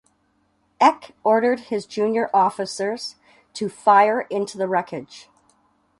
Eck ordered his junior officers to fire into the wreckage.